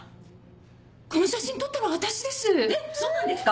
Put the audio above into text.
この写真撮ったの私です。